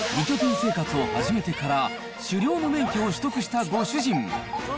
２拠点生活を始めてから、狩猟の免許を取得したご主人。